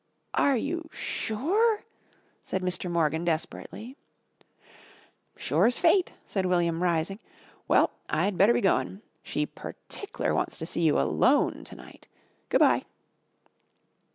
"Are you sure?" said Mr. Morgan desperately. "Sure's fate," said William rising. "Well, I'd better be goin'. She pertic ler wants to see you alone to night. Good bye."